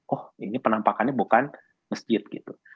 oh ini penampakannya bukan masjid gitu